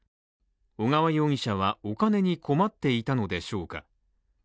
小川容疑者はお金に困っていたのでしょうか？